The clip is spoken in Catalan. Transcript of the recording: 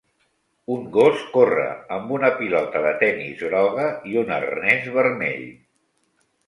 Un gos corre amb una pilota de tenis groga i un arnès vermell.